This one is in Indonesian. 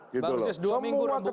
bang lusus dua minggu rebukan